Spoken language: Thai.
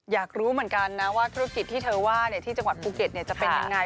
อยากรู้เหมือนกันนะว่าธุรกิจที่เธอว่าที่จังหวัดภูเก็ตจะเป็นยังไง